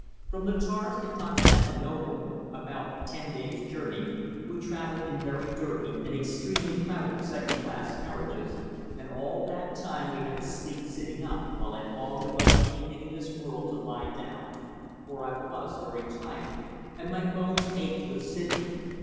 From the Taurus to Constantinople, about a ten days' journey, we traveled in very dirty and extremely crowded second class carriages, and all that time we had to sleep sitting up while I longed above anything in this world to lie down, for I was very tired, and my bones ached with sitting.